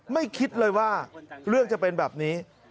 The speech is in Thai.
ไม่คิดเลยว่าเรื่องจะเป็นแบบนี้